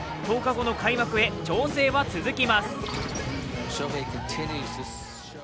１０日後の開幕へ調整は続きます。